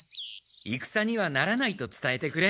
いくさにはならないとつたえてくれ。